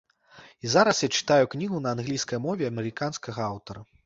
І зараз я чытаю кнігу на англійскай мове амерыканскага аўтара.